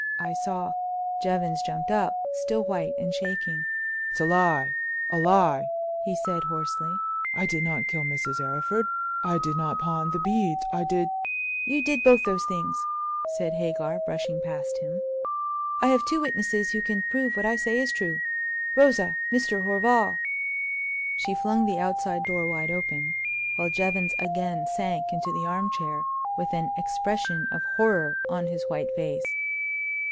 I saw—" Jevons jumped up, still white and shaking. "It's a lie! a lie!" he said, hoarsely. "I did not kill Mrs. Arryford; I did not pawn the beads. I did—" "You did both those things!" said Hagar, brushing past him. "I have two witnesses who can prove what I say is true. Rosa! Mr. Horval!" She flung the outside door wide open, while Jevons again sank into the arm chair, with an expression of horror on his white face.